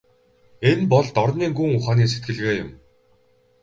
Энэ бол дорнын гүн ухааны сэтгэлгээ юм.